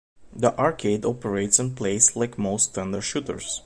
The arcade operates and plays like most standard shooters.